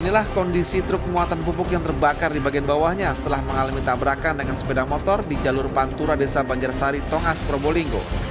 inilah kondisi truk muatan pupuk yang terbakar di bagian bawahnya setelah mengalami tabrakan dengan sepeda motor di jalur pantura desa banjarsari tongas probolinggo